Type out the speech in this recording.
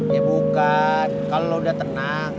ya bukan kalau udah tenang